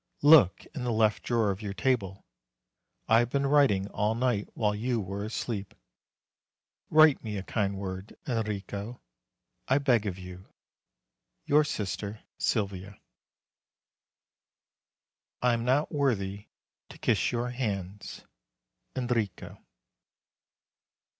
Look in the left drawer of your table; I have been writing all night, while you were asleep. Write me a kind word, Enrico, I beg of you. YOUR SISTER SYLVIA. I am not worthy to kiss your hands. ENRICO.